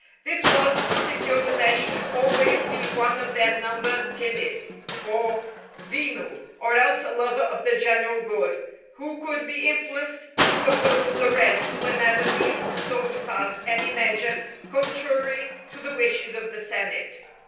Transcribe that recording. This was, to secure that there should always be one of their number timid, or venal, or else a lover of the general good, who could be influenced to oppose the rest whenever these sought to pass any measure contrary to the wishes of the senate.